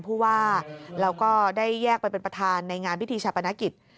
ผู้ว่าแล้วก็ได้แยกไปเป็นประธานในงานพิธีชาปนกิจ